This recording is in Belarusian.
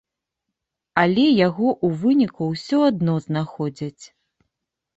Але яго ў выніку ўсё адно знаходзяць.